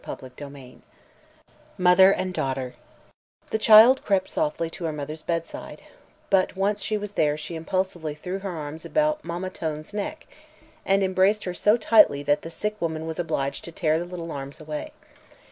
CHAPTER II MOTHER AND DAUGHTER The child crept softly to her mother's bedside, but once there she impulsively threw her arms about "Mamma Tone's" neck and embraced her so tightly that the sick woman was obliged to tear the little arms away.